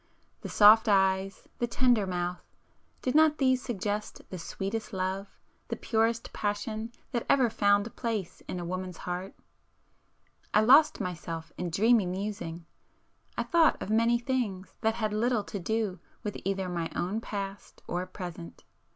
the soft eyes,—the tender mouth,—did not these suggest the sweetest love, the purest passion that ever found place in a woman's heart? I lost myself in dreamy musing,—I thought of many things that had little to do with either my own past or present.